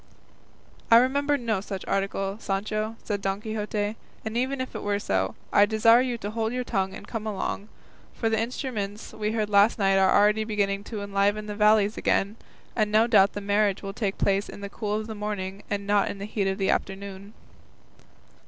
"I remember no such article, Sancho," said Don Quixote; "and even if it were so, I desire you to hold your tongue and come along; for the instruments we heard last night are already beginning to enliven the valleys again, and no doubt the marriage will take place in the cool of the morning, and not in the heat of the afternoon."